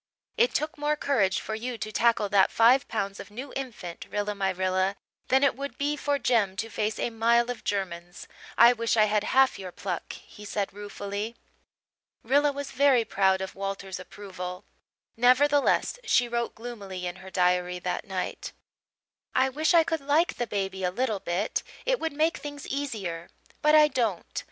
"It took more courage for you to tackle that five pounds of new infant, Rilla my Rilla, than it would be for Jem to face a mile of Germans. I wish I had half your pluck," he said ruefully. Rilla was very proud of Walter's approval; nevertheless, she wrote gloomily in her diary that night: "I wish I could like the baby a little bit. It would make things easier. But I don't.